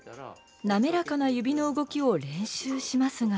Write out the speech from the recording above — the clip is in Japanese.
滑らかな指の動きを練習しますが。